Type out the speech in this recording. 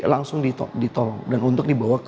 langsung ditop ditolong dan untuk dibawa ke